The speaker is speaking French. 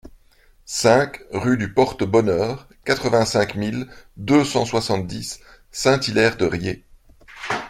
cinq rue du Porte-Bonheur, quatre-vingt-cinq mille deux cent soixante-dix Saint-Hilaire-de-Riez